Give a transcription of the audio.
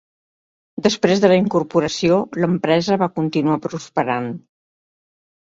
Després de la incorporació, l'empresa va continuar prosperant.